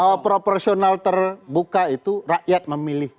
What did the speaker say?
bahwa proporsional terbuka itu rakyat memilih